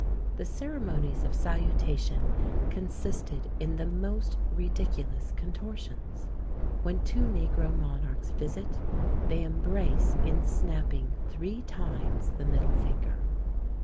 The ceremonies of salutation consisted in the most ridiculous contortions. When two negro monarchs visit, they embrace in snapping three times the middle finger.